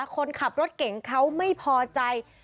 คนขับรถเก่งเขาไม่พอใจ